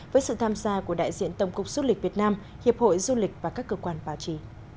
với sự tham gia của đại diện tổng cục du lịch việt nam hiệp hội du lịch và các cơ quan báo chí